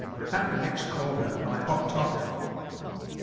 At the next cornet I hopped off.